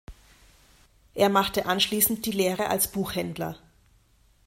Er machte anschließend die Lehre als Buchhändler.